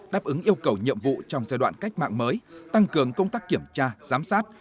đáp ứng yêu cầu nhiệm vụ trong giai đoạn cách mạng mới tăng cường công tác kiểm tra giám sát